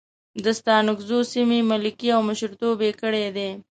د ستانکزو سیمې ملکي او مشرتوب یې کړی دی.